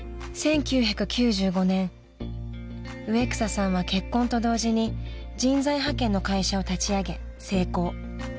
［１９９５年植草さんは結婚と同時に人材派遣の会社を立ちあげ成功］